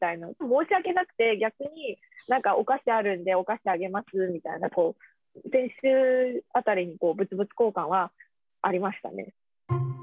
申し訳なくて、逆になんか、お菓子あるんで、お菓子あげますみたいな、こう、先週あたりに、物々交換はありましたね。